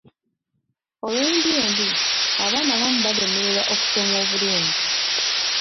Olw'endya embi, abaana abamu balemererwa okusoma obulungi.